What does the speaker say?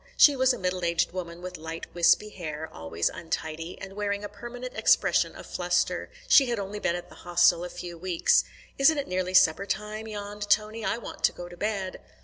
She was a middle aged woman with light wispy hair, always untidy, and wearing a permanent expression of fluster. She had only been at the Hostel a few weeks. "Isn't it nearly supper time?" yawned Tony. "I want to go to bed."